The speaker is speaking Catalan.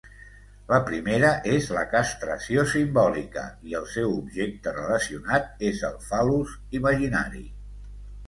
La primera és la castració simbòlica i el seu objecte relacionat és el fal·lus imaginari.